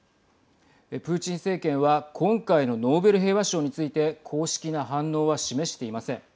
プーチン政権は今回のノーベル平和賞について公式の反応は示していません。